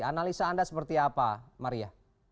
analisa anda seperti apa maria